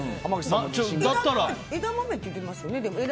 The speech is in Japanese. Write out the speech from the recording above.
枝豆っていってますよね